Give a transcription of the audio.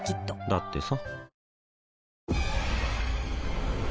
だってさ